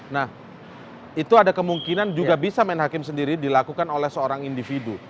nah itu ada kemungkinan juga bisa main hakim sendiri dilakukan oleh seorang individu